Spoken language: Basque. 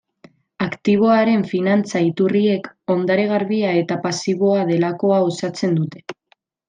Aktiboaren finantza-iturriek ondare garbia eta pasiboa delakoa osatzen dute.